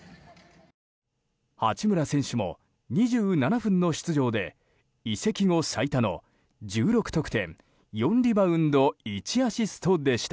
八村選手も２７分の出場で移籍後最多の１６得点４リバウンド１アシストでした。